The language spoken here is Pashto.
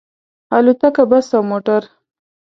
الوتکه، بس او موټر